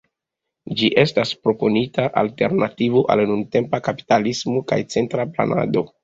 Ĝi estas proponita alternativo al nuntempa kapitalismo kaj centra planado.